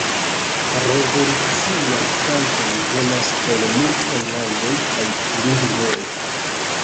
Revoluciaj kantoj venas el multaj landoj kaj lingvoj.